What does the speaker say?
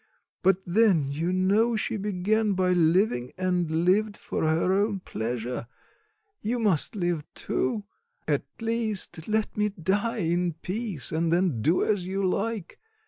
But then you know she began by living and lived for her own pleasure; you must live, too. At least, let me die in peace, and then do as you like.